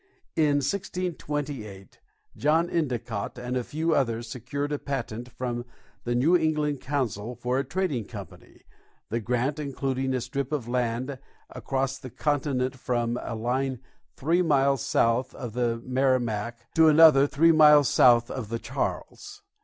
In 1628 John Endicott and a few others secured a patent from the New England Council for a trading company, the grant including a strip of land across the continent from a line three miles north of the Merrimac to another three miles south of the Charles.